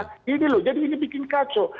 jadi ini loh jadi ini bikin kacau